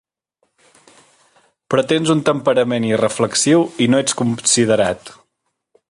Però tens un temperament irreflexiu i no ets considerat.